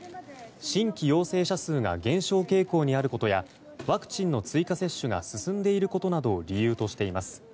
新規陽性者数が減少傾向にあることやワクチンの追加接種が進んでいることなどを理由としています。